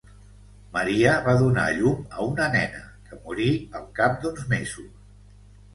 Maria va donar llum a una nena, que morí al cap d'uns mesos.